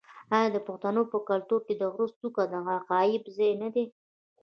آیا د پښتنو په کلتور کې د غره څوکه د عقاب ځای نه دی؟